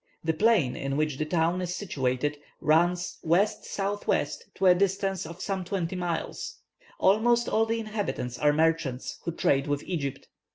The plain in which the town is situated runs W.S.W., to a distance of some twenty miles. Almost all the inhabitants are merchants, who trade with Egypt.